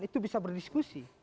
itu bisa berdiskusi